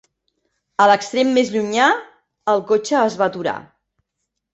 A l'extrem més llunyà, el cotxe es va aturar.